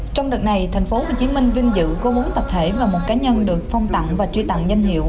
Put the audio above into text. trong đợt này tp hcm vinh dự có bốn tập thể và một cá nhân được phong tặng và truy tặng danh hiệu